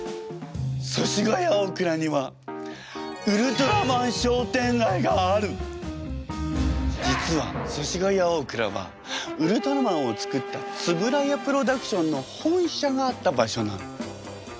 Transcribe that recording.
祖師ヶ谷大蔵には実は祖師ヶ谷大蔵はウルトラマンを作った円谷プロダクションの本社があった場所なの。